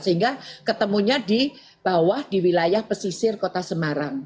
sehingga ketemunya di bawah di wilayah pesisir kota semarang